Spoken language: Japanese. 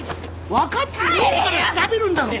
分かってねえから調べるんだろ。